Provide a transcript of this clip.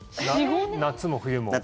夏も冬も。